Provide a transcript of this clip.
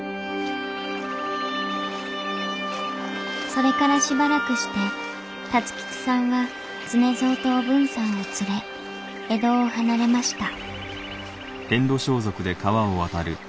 それからしばらくして辰吉さんは常蔵とおぶんさんを連れ江戸を離れました